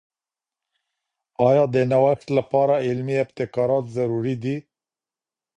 آیا د نوښت لپاره علمي ابتکارات ضروري دي؟